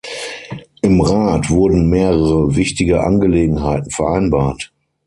Im Rat wurden mehrere wichtige Angelegenheiten vereinbart.